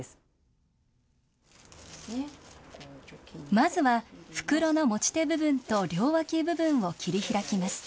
まずは袋の持ち手部分と、両脇部分を切り開きます。